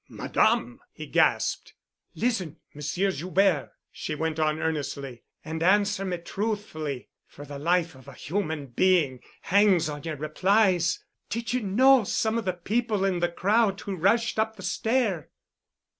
"Madame!" he gasped. "Listen, Monsieur Joubert," she went on earnestly, "and answer me truthfully, for the life of a human being hangs on your replies. Did you know some of the people in the crowd who rushed up the stair?"